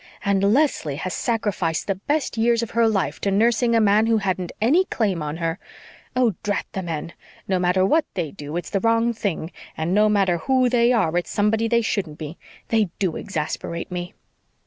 And Leslie has sacrificed the best years of her life to nursing a man who hadn't any claim on her! Oh, drat the men! No matter what they do, it's the wrong thing. And no matter who they are, it's somebody they shouldn't be. They do exasperate me."